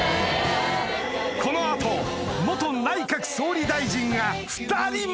この後内閣総理大臣が２人も！